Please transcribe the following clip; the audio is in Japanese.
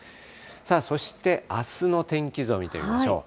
そして、あすの天気図を見てみましょう。